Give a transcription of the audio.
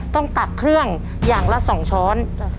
ตักเครื่องอย่างละ๒ช้อน